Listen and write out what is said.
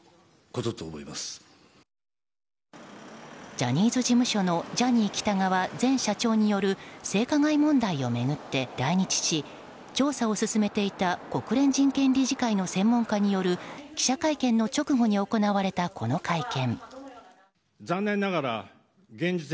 ジャニーズ事務所のジャニー喜多川前社長による性加害問題を巡って来日し調査を進めていた国連人権理事会の専門家による記者会見の直後に行われた、この会見。